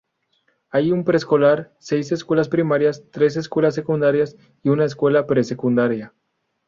Hay un preescolar, seis escuelas primarias, tres escuelas secundarias y una escuela pre-secundaria.